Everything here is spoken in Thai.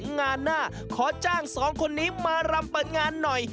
งานหน้าขอจ้างสองคนนี้มารำเปิดงานหน่อย